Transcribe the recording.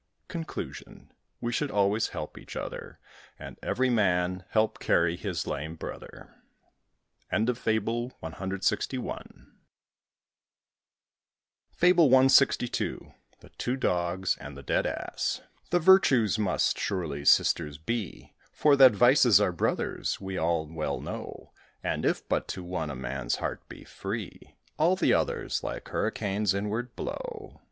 Conclusion: We should always help each other; And every man help carry his lame brother. FABLE CLXII. THE TWO DOGS AND THE DEAD ASS. The Virtues must, surely, sisters be, For that Vices are brothers, we all well know. And if but to one a man's heart be free, All the others, like hurricanes, inward blow.